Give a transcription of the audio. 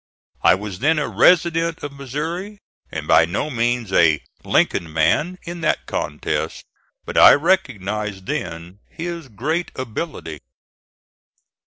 I was then a resident of Missouri, and by no means a "Lincoln man" in that contest; but I recognized then his great ability.